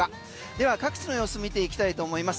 では各地の様子見ていきたいと思います。